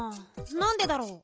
なんでだろう？